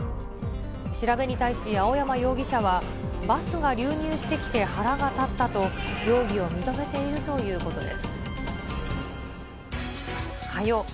調べに対し、青山容疑者は、バスが流入してきて腹が立ったと、容疑を認めているということです。